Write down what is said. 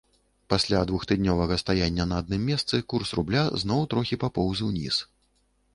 Пасля двухтыднёвага стаяння на адным месцы курс рубля зноў трохі папоўз уніз.